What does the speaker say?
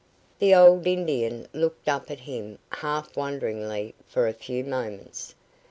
The old Indian looked up at him half wonderingly for a few moments.